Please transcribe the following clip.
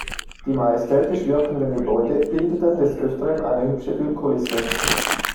Die majestätisch wirkenden Gebäude bildeten des Öfteren eine hübsche Filmkulisse.